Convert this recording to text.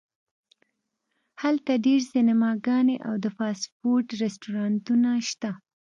هلته ډیر سینماګانې او د فاسټ فوډ رستورانتونه شته